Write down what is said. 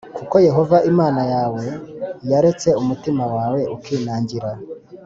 kuko yehova imana yawe yaretse umutima we ukinangira+